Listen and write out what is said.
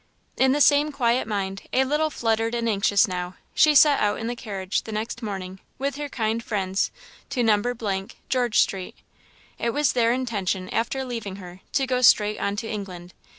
In the same quiet mind, a little fluttered and anxious now, she set out in the carriage the next morning with her kind friends to No. , George street. It was their intention, after leaving her, to go straight on to England.